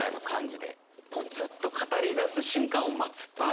ポツッと語りだす瞬間を待つという。